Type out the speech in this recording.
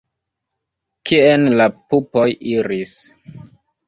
Kien la pupoj iris?